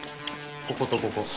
こことここ。